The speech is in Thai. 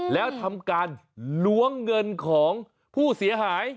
แล้วทำการล้วงเงินของผู้เสียหาย